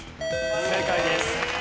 正解です。